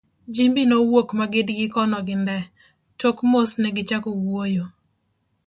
Jimbi nowuok ma gidgi kono gi Ndee, tok mos negichako wuoyo….